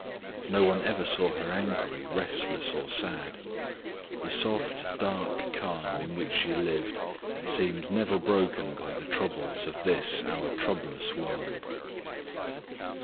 No one ever saw her angry, restless, or sad. The soft dark calm in which she lived seemed never broken by the troubles of this our troublous world.